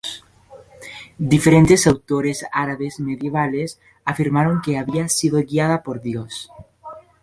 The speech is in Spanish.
Diferentes autores árabes medievales afirmaron que había sido guiada por Dios.